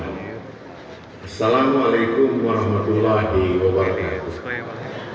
assalamu'alaikum warahmatullahi wabarakatuh